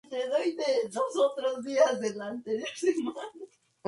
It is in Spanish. Suelen estar constituidos por un suboficial, dos cabos, diez guardias y dos conductores.